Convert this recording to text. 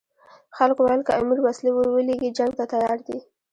خلکو ویل که امیر وسلې ورولېږي جنګ ته تیار دي.